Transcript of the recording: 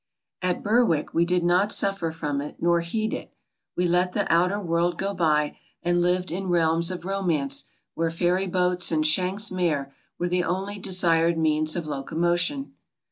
At Berwick we did not suffer from it, nor heed it. We let the ourer world go by and lived in realms of romance where ferry boats and shank's mare were the only desired means of locomotion.